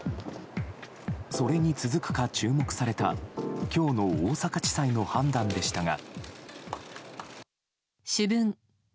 それに続くか注目された今日の大阪地裁の判断でしたが。